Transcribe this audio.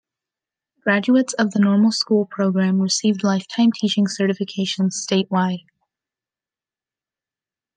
Graduates of the normal school program received lifetime teaching certification statewide.